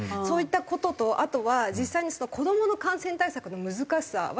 そういった事とあとは実際に子どもの感染対策の難しさ。